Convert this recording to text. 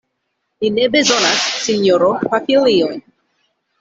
Ni ne bezonas, sinjoro, papiliojn!